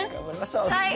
はい！